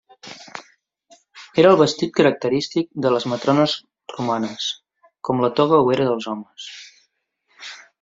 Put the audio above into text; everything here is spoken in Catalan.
Era el vestit característic de les matrones romanes com la toga ho era dels homes.